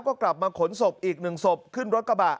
ก็กลับมาขนศพอีก๑ศพขึ้นรถกระบะ